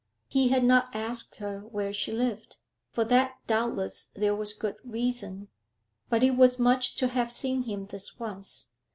He had not asked her where she lived; for that doubtless there was good reason. But it was much to have seen him this once.